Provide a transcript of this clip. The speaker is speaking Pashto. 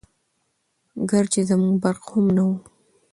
ګرچې زموږ برق هم نه وو🤗